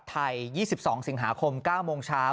คุณทักษิณจะกลับไทย๒๒สิงหาคม๙โมงเช้า